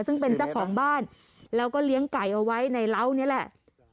ซึ่งเป็นเจ้าของบ้านแล้วก็เลี้ยงไก่เอาไว้ในเหล้านี่แหละ